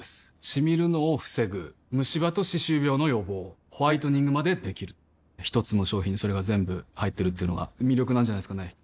シミるのを防ぐムシ歯と歯周病の予防ホワイトニングまで出来る一つの商品にそれが全部入ってるっていうのが魅力なんじゃないですかね